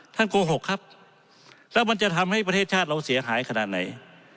โกหกครับแล้วมันจะทำให้ประเทศชาติเราเสียหายขนาดไหน